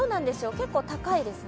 結構高いですね。